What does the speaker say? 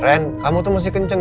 ren kamu tuh masih kenceng ya